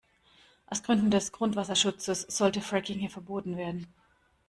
Aus Gründen des Grundwasserschutzes sollte Fracking hier verboten werden.